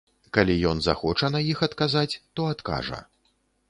Калі ён захоча на іх адказаць, то адкажа.